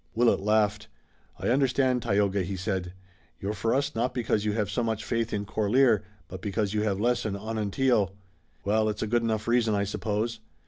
Willet laughed. "I understand, Tayoga," he said. "You're for us not because you have so much faith in Corlear, but because you have less in Onontio. Well, it's a good enough reason, I suppose.